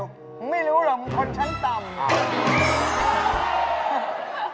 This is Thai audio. มึงไม่รู้หรอกมึงคนชั้นต่ำ